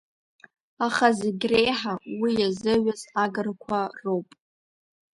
Аха зегьреиҳа уи иазыҩыз агырқәа роуп…